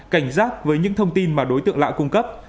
cảnh giác với những thông tin mà đối tượng lạ cung cấp